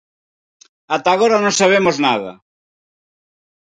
Ata agora non sabemos nada.